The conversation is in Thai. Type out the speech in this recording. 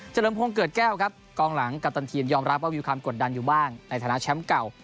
เลิมพงศ์เกิดแก้วครับกองหลังกัปตันทีมยอมรับว่ามีความกดดันอยู่บ้างในฐานะแชมป์เก่า